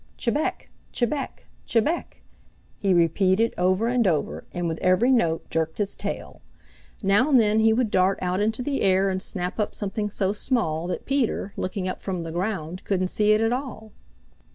"Chebec! Chebec! Chebec!" he repeated over and over, and with every note jerked his tail. Now and then he would dart out into the air and snap up something so small that Peter, looking up from the ground, couldn't see it at all.